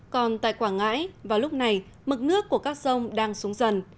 còn tại quảng ngãi vào lúc này mực nước của các sông đang xuống dần